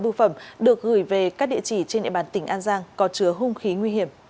bưu phẩm được gửi về các địa chỉ trên địa bàn tỉnh an giang